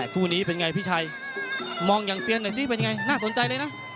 คู่นี้เป็นไงพี่ชัยมองอย่างเซียนหน่อยสิเป็นยังไงน่าสนใจเลยนะ